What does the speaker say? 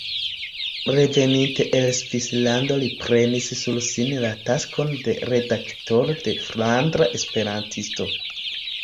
Reveninte el Svislando li prenis sur sin la taskon de redaktoro de "Flandra Esperantisto".